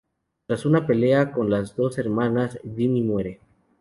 Tras una pelea con las dos hermanas, Jimmy muere.